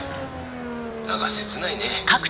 なんか切ないね。